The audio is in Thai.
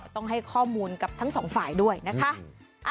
ต้องให้ข้อมูลกับทั้งสองฝ่ายด้วยนะคะ